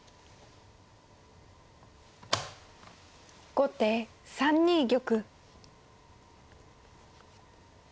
後手３二玉。